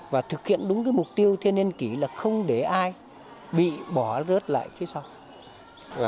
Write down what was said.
và thực hiện đúng cái mục tiêu thiên niên kỷ là không để ai bị bỏ rớt lại phía sau